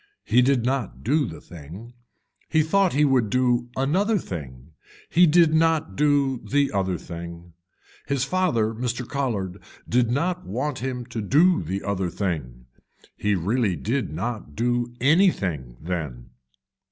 He did not do the thing, he thought he would do another thing, he did not do the other thing, his father Mr. Colhard did not want him to do the other thing. He really did not do anything then.